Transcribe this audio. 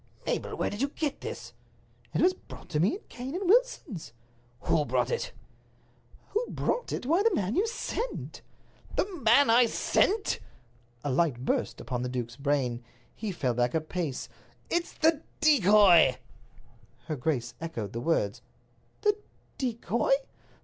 "Mabel, where did you get this?" "It was brought to me in Cane and Wilson's." "Who brought it?" "Who brought it? Why, the man you sent." "The man I sent!" A light burst upon the duke's brain. He fell back a pace. "It's the decoy!" Her grace echoed the words: "The decoy?"